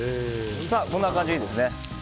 こんな感じでいいですね。